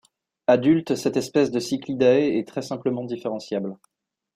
Adulte cette espèce de cichlidae est très simplement différenciable.